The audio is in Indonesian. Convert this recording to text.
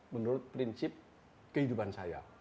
menurut prinsip kehidupan saya